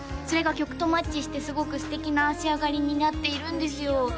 それが曲とマッチしてすごく素敵な仕上がりになっているんですよ